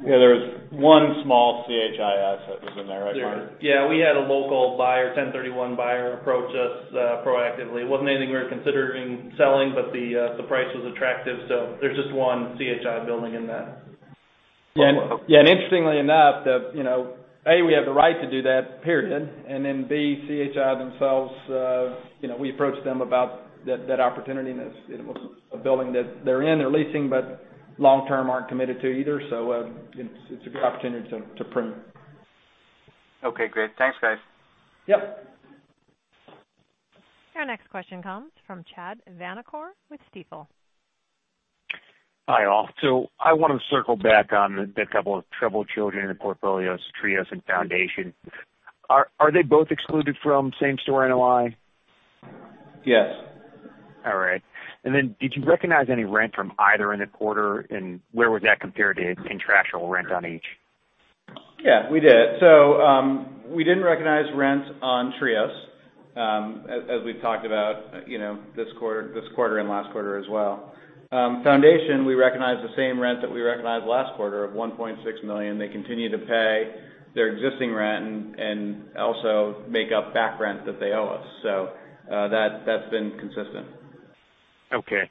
Yeah, there was one small CHI asset was in there, right, Mark?
Yeah. We had a local buyer, 1031 buyer, approach us proactively. It wasn't anything we were considering selling, but the price was attractive. There's just one CHI building in that.
Small building.
Interestingly enough, A, we have the right to do that, period. B, CHI themselves, we approached them about that opportunity, and it was a building that they're in, they're leasing, but long-term aren't committed to either. It's a good opportunity to prune.
Okay, great. Thanks, guys.
Yep.
Our next question comes from Chad Vanacore with Stifel.
Hi, all. I want to circle back on the couple of troubled children in the portfolios, Trios and Foundation. Are they both excluded from same-store NOI?
Yes.
All right. Then did you recognize any rent from either in the quarter? Where was that compared to contractual rent on each?
Yeah, we did. We didn't recognize rent on Trios, as we've talked about this quarter and last quarter as well. Foundation, we recognized the same rent that we recognized last quarter of $1.6 million. They continue to pay their existing rent and also make up back rent that they owe us. That's been consistent.
Okay.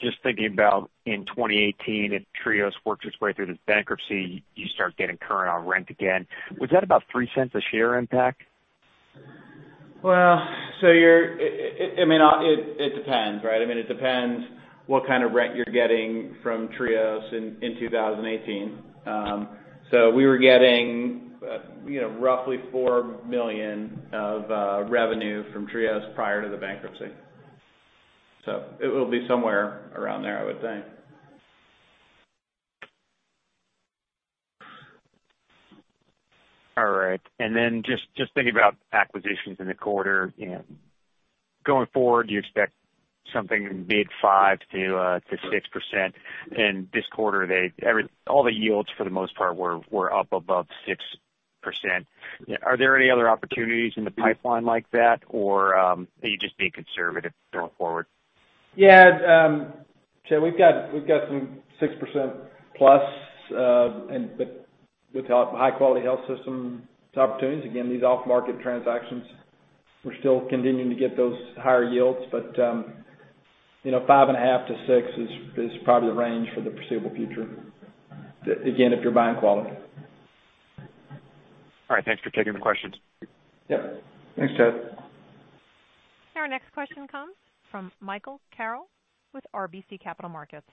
Just thinking about in 2018, if Trios works its way through this bankruptcy, you start getting current on rent again. Was that about $0.03 a share impact?
Well, it depends. It depends what kind of rent you're getting from Trios in 2018. We were getting roughly $4 million of revenue from Trios prior to the bankruptcy. It will be somewhere around there, I would say.
All right. Just thinking about acquisitions in the quarter. Going forward, do you expect something mid 5%-6%? In this quarter, all the yields, for the most part, were up above 6%. Are there any other opportunities in the pipeline like that, or are you just being conservative going forward?
Yeah. We've got some 6%+ but with high-quality health system opportunities. Again, these off-market transactions, we're still continuing to get those higher yields, but 5.5%-6% is probably the range for the foreseeable future. Again, if you're buying quality.
All right. Thanks for taking the questions.
Yep. Thanks, Chad.
Our next question comes from Michael Carroll with RBC Capital Markets.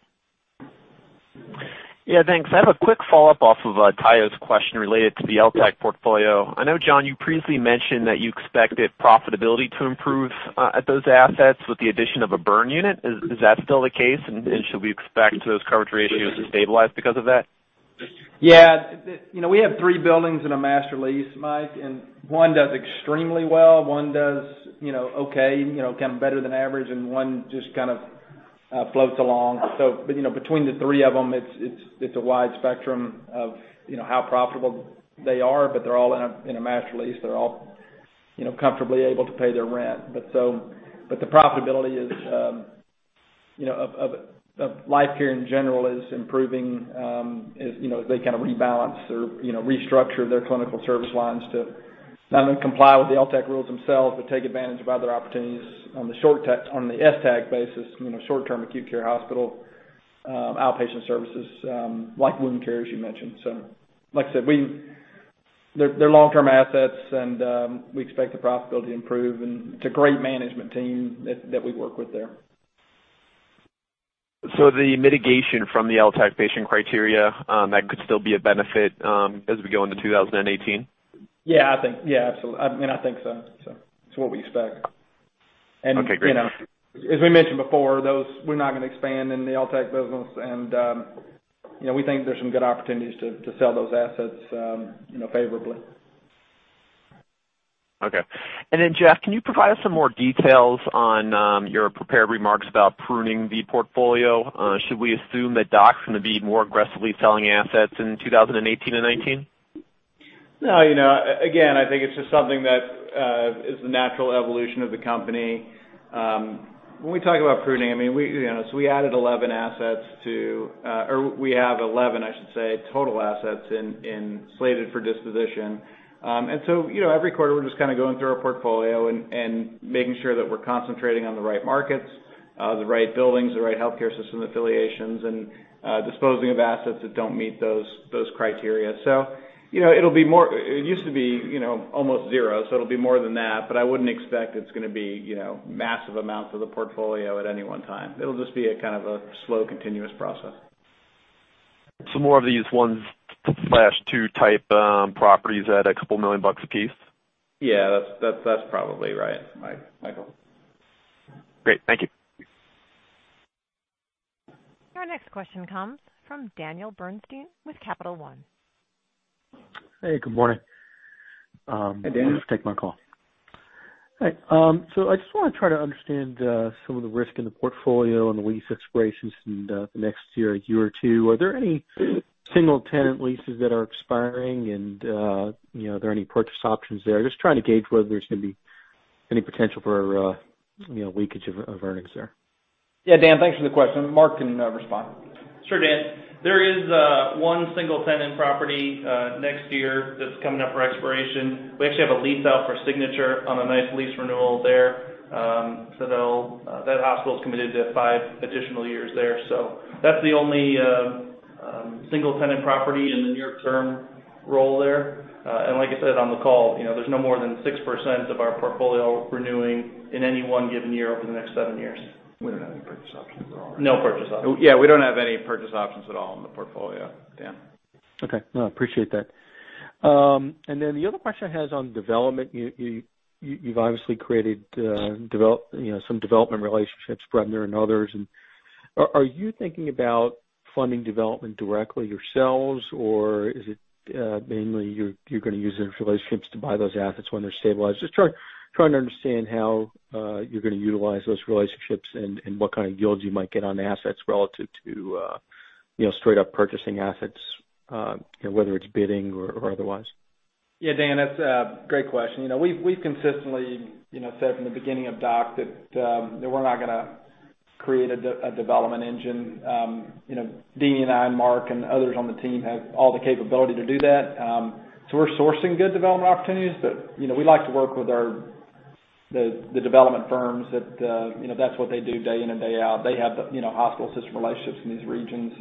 Yeah, thanks. I have a quick follow-up off of Tayo's question related to the LTAC portfolio. I know, John, you previously mentioned that you expected profitability to improve at those assets with the addition of a burn unit. Is that still the case, and should we expect those coverage ratios to stabilize because of that?
Yeah. We have three buildings in a master lease, Mike. One does extremely well, one does okay, kind of better than average, and one just kind of floats along. Between the three of them, it's a wide spectrum of how profitable they are. They're all in a master lease. They're all comfortably able to pay their rent. The profitability of LifeCare, in general, is improving. As they kind of rebalance or restructure their clinical service lines to not only comply with the LTAC rules themselves, but take advantage of other opportunities on the STAC basis, short-term acute care hospital, outpatient services, like wound care, as you mentioned. Like I said, they're long-term assets, and we expect the profitability to improve. It's a great management team that we work with there.
The mitigation from the LTAC patient criteria, that could still be a benefit as we go into 2018?
Yeah, I think so. It's what we expect.
Okay, great.
As we mentioned before, we're not going to expand in the LTAC business, and we think there's some good opportunities to sell those assets favorably.
Okay. Jeff, can you provide us some more details on your prepared remarks about pruning the portfolio? Should we assume that DOC's going to be more aggressively selling assets in 2018 and 2019?
No. I think it's just something that is the natural evolution of the company. When we talk about pruning, we have 11, I should say, total assets slated for disposition. Every quarter, we're just kind of going through our portfolio and making sure that we're concentrating on the right markets, the right buildings, the right healthcare system affiliations, and disposing of assets that don't meet those criteria. It used to be almost zero, it'll be more than that, but I wouldn't expect it's going to be massive amounts of the portfolio at any one time. It'll just be a kind of a slow, continuous process.
More of these 1/2 type properties at a couple million dollars a piece?
Yeah. That's probably right, Michael.
Great. Thank you.
Our next question comes from Daniel Bernstein with Capital One.
Hey, good morning.
Hey, Dan.
Thanks for taking my call. Hi. I just want to try to understand some of the risk in the portfolio and the lease expirations in the next year, a year or two. Are there any single-tenant leases that are expiring, and are there any purchase options there? Just trying to gauge whether there's going to be any potential for leakage of earnings there.
Yeah, Dan, thanks for the question. Mark can respond.
Sure, Dan. There is one single-tenant property next year that's coming up for expiration. We actually have a lease out for signature on a nice lease renewal there. That hospital's committed to five additional years there. That's the only single-tenant property in the near-term role there. Like I said on the call, there's no more than 6% of our portfolio renewing in any one given year over the next seven years.
We don't have any purchase options at all.
No purchase options.
Yeah, we don't have any purchase options at all in the portfolio, Dan.
Okay. No, I appreciate that. Then the other question I had is on development. You've obviously created some development relationships, Bremner and others, are you thinking about funding development directly yourselves, or is it mainly you're going to use those relationships to buy those assets when they're stabilized? Just trying to understand how you're going to utilize those relationships and what kind of yields you might get on assets relative to straight-up purchasing assets, whether it's bidding or otherwise.
Yeah, Dan, that's a great question. We've consistently said from the beginning of DOC that we're not going to create a development engine. Deeni and I, and Mark, and others on the team have all the capability to do that. We're sourcing good development opportunities, but we like to work with the development firms that that's what they do day in and day out. They have the hospital system relationships in these regions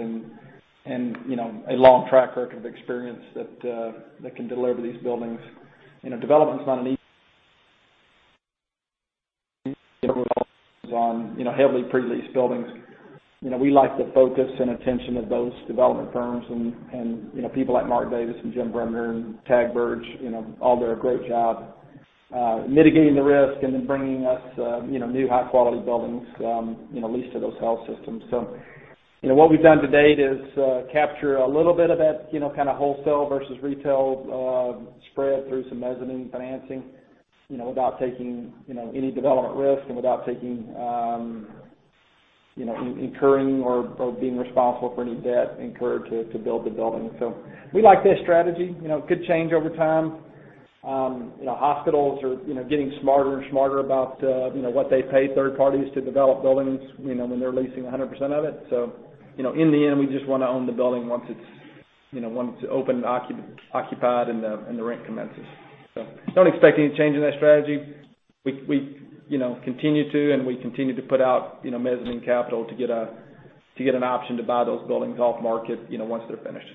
and a long track record of experience that can deliver these buildings. Development's not an easy on heavily pre-leased buildings. We like the focus and attention of those development firms and people like Mark Davis and Jim Bremner and Tag Birch, all do a great job mitigating the risk and then bringing us new high-quality buildings, leased to those health systems. What we've done to date is capture a little bit of that wholesale versus retail spread through some mezzanine financing, without taking any development risk and without taking, incurring or being responsible for any debt incurred to build the building. We like that strategy. It could change over time. Hospitals are getting smarter and smarter about what they pay third parties to develop buildings, when they're leasing 100% of it. In the end, we just want to own the building once it's open and occupied, and the rent commences. Don't expect any change in that strategy. We continue to put out mezzanine capital to get an option to buy those buildings off-market, once they're finished.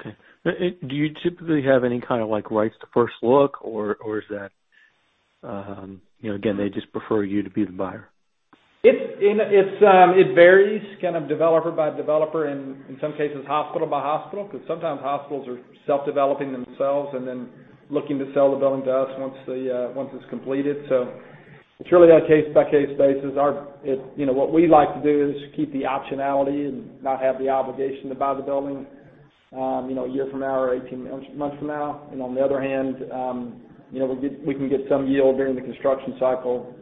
Okay. Do you typically have any kind of rights to first look, or is that, again, they just prefer you to be the buyer?
It varies kind of developer by developer, and in some cases, hospital by hospital, because sometimes hospitals are self-developing themselves and then looking to sell the building to us once it's completed. It's really on a case-by-case basis. What we like to do is keep the optionality and not have the obligation to buy the building a year from now or 18 months from now. On the other hand, we can get some yield during the construction cycle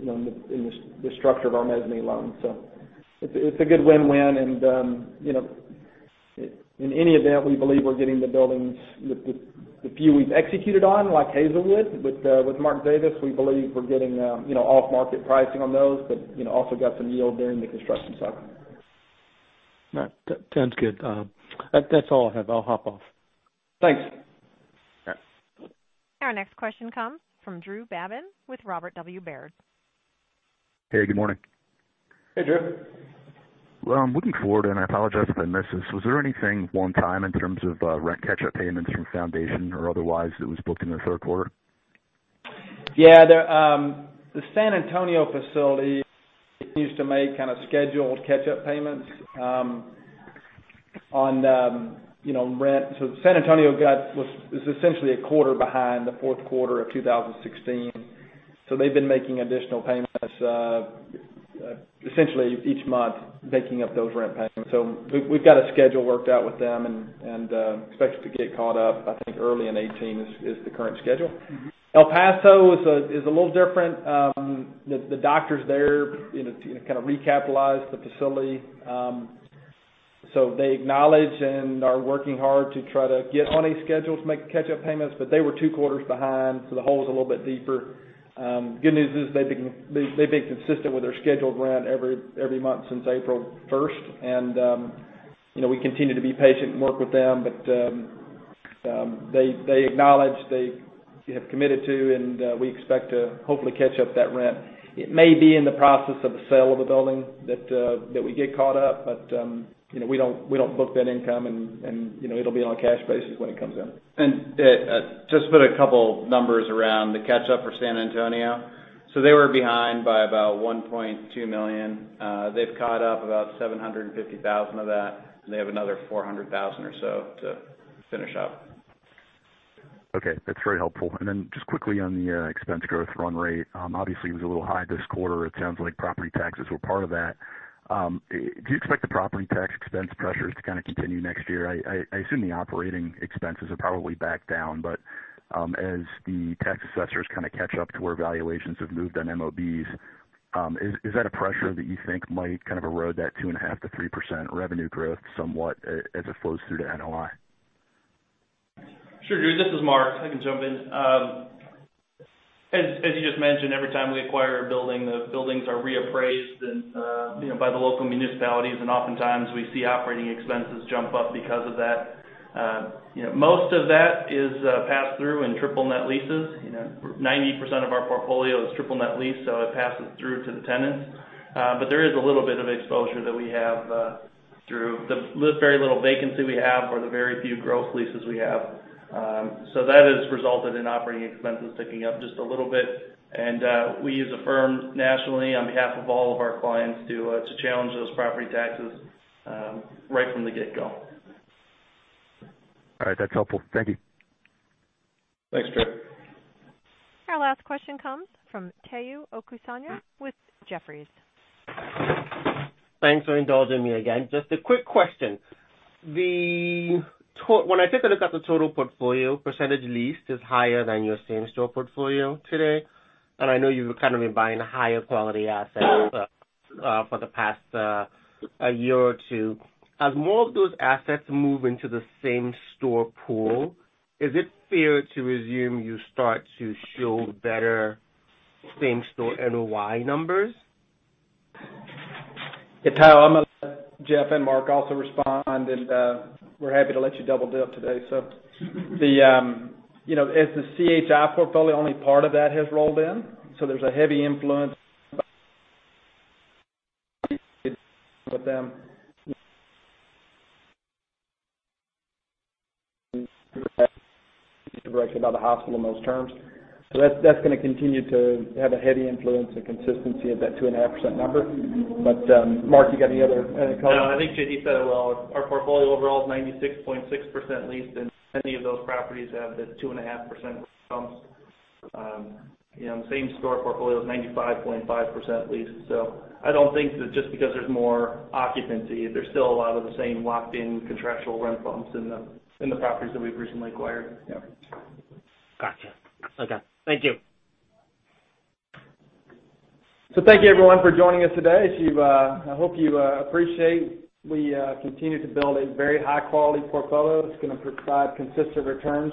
in the structure of our mezzanine loan. It's a good win-win, and in any event, we believe we're getting the buildings, the few we've executed on, like Hazelwood with Mark Davis, we believe we're getting off-market pricing on those, but also got some yield during the construction cycle.
Sounds good. That's all I have. I'll hop off.
Thanks.
Our next question comes from Drew Babin with Robert W. Baird.
Hey, good morning.
Hey, Drew.
Well, I'm looking forward, and I apologize if I missed this. Was there anything one time in terms of rent catch-up payments from Foundation or otherwise that was booked in the third quarter?
The San Antonio facility continues to make kind of scheduled catch-up payments on rent. San Antonio is essentially a quarter behind the fourth quarter of 2016. They've been making additional payments, essentially each month, making up those rent payments. We've got a schedule worked out with them and expect it to get caught up, I think, early in 2018 is the current schedule. El Paso is a little different. The doctors there kind of recapitalized the facility. They acknowledge and are working hard to try to get on a schedule to make the catch-up payments, but they were two quarters behind, so the hole was a little bit deeper. Good news is they've been consistent with their scheduled rent every month since April 1st, and we continue to be patient and work with them, but they acknowledge, they have committed to, and we expect to hopefully catch up that rent. It may be in the process of the sale of the building that we get caught up, but we don't book that income, and it'll be on a cash basis when it comes in.
Just to put a couple numbers around the catch-up for San Antonio. They were behind by about $1.2 million. They've caught up about $750,000 of that, and they have another $400,000 or so to finish up.
Okay. That's very helpful. Just quickly on the expense growth run rate, obviously, it was a little high this quarter. It sounds like property taxes were part of that. Do you expect the property tax expense pressures to kind of continue next year? I assume the operating expenses are probably back down. As the tax assessors kind of catch up to where valuations have moved on MOBs, is that a pressure that you think might kind of erode that 2.5%-3% revenue growth somewhat as it flows through to NOI?
Sure, Drew. This is Mark. I can jump in. As you just mentioned, every time we acquire a building, the buildings are reappraised by the local municipalities, and oftentimes we see operating expenses jump up because of that. Most of that is passed through in triple net leases. 90% of our portfolio is triple net lease, so it passes through to the tenants. There is a little bit of exposure that we have through the very little vacancy we have or the very few gross leases we have. That has resulted in operating expenses ticking up just a little bit, and we use a firm nationally on behalf of all of our clients to challenge those property taxes right from the get-go.
All right. That's helpful. Thank you.
Thanks, Drew.
Our last question comes from Omotayo Okusanya with Jefferies.
Thanks for indulging me again. Just a quick question. When I take a look at the total portfolio, percentage leased is higher than your same-store portfolio today, and I know you've kind of been buying higher quality assets for the past year or two. As more of those assets move into the same-store pool, is it fair to assume you start to show better same-store NOI numbers?
Hey, Tayo, I'm going to let Jeff and Mark also respond, and we're happy to let you double-dip today. As the CHI portfolio, only part of that has rolled in. There's a heavy influence with them directly by the hospital in most terms. That's going to continue to have a heavy influence and consistency of that 2.5% number. Mark, you got any other comments?
No, I think JD said it well. Our portfolio overall is 96.6% leased, and many of those properties have the 2.5% bumps. Same store portfolio is 95.5% leased. I don't think that just because there's more occupancy, there's still a lot of the same locked-in contractual rent bumps in the properties that we've recently acquired.
Got you. Okay. Thank you.
Thank you everyone for joining us today. I hope you appreciate we continue to build a very high-quality portfolio that's going to provide consistent returns.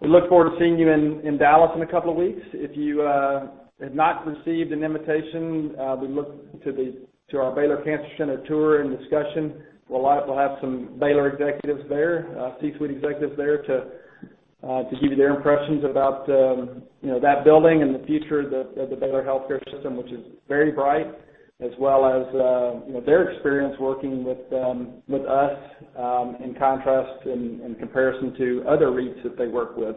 We look forward to seeing you in Dallas in a couple of weeks. If you have not received an invitation, we look to our Baylor Cancer Center tour and discussion. We'll have some Baylor executives there, C-suite executives there, to give you their impressions about that building and the future of the Baylor Healthcare System, which is very bright, as well as their experience working with us, in contrast, in comparison to other REITs that they work with.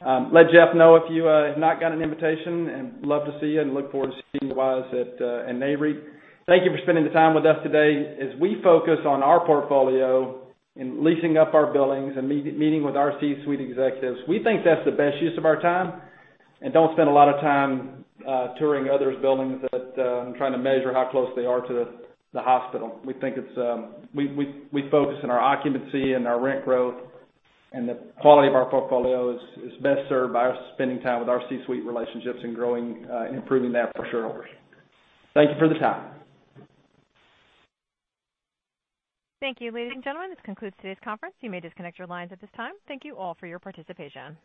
Let Jeff Theiler know if you have not got an invitation, and love to see you and look forward to seeing you guys at Nareit. Thank you for spending the time with us today. We focus on our portfolio and leasing up our buildings and meeting with our C-suite executives, we think that's the best use of our time, and don't spend a lot of time touring others' buildings and trying to measure how close they are to the hospital. We focus on our occupancy and our rent growth, and the quality of our portfolio is best served by us spending time with our C-suite relationships and growing and improving that for shareholders. Thank you for the time.
Thank you, ladies and gentlemen. This concludes today's conference. You may disconnect your lines at this time. Thank you all for your participation.